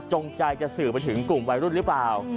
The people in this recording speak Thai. ใจจะสื่อไปถึงกลุ่มวัยรุ่นหรือเปล่า